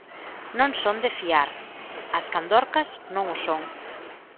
Non son de fiar, as candorcas non o son.